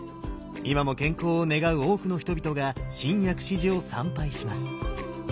今も健康を願う多くの人々が新薬師寺を参拝します。